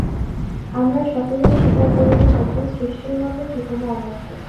আমরা সকলেই স্বীকার করিয়া থাকি, সৃষ্টির মত জীবনও অনন্ত।